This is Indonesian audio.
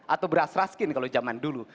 atau beras raskin kalau zaman dulu